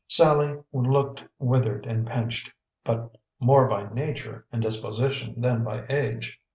Sallie looked withered and pinched, but more by nature and disposition than by age.